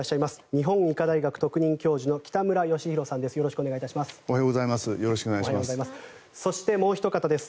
日本医科大学特任教授の北村義浩さんです。